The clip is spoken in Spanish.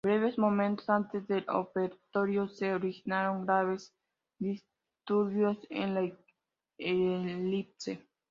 Breves momentos antes del ofertorio, se originaron graves disturbios en la elipse.